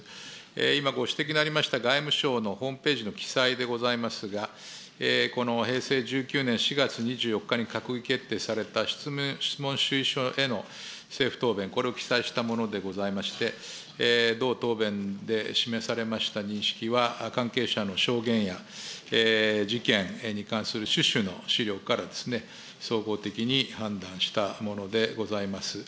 今ご指摘のありました外務省のホームページの記載でございますが、この平成１９年４月２４日に閣議決定された質問主意書への政府答弁、これを記載したものでございまして、同答弁で示されました認識は関係者の証言や事件に関する種々の資料から総合的に判断したものでございます。